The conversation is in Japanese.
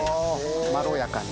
まろやかに。